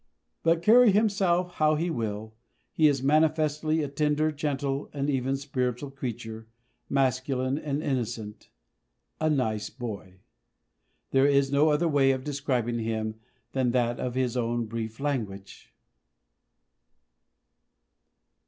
But carry himself how he will, he is manifestly a tender, gentle, and even spiritual creature, masculine and innocent "a nice boy." There is no other way of describing him than that of his own brief language.